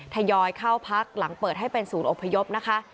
ทยอยเข้าพักหลังเปิดให้เป็นศูนย์อพยพนะคะ